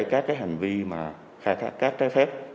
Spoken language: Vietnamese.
các hành vi khai thác trái phép